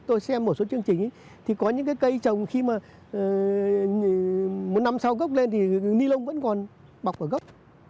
tôi xem một số chương trình thì có những cái cây trồng khi mà một năm sau gốc lên thì ni lông vẫn còn bọc ở gốc